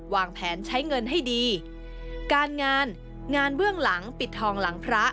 วางแผนใช้เงินให้ดีการงานงานเบื้องหลังปิดทองหลังพระ